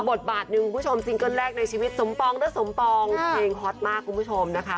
บทบาทหนึ่งคุณผู้ชมซิงเกิ้ลแรกในชีวิตสมปองด้วยสมปองเพลงฮอตมากคุณผู้ชมนะคะ